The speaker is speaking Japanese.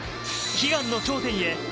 悲願の頂点へ。